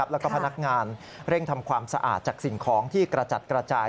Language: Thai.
แล้วก็พนักงานเร่งทำความสะอาดจากสิ่งของที่กระจัดกระจาย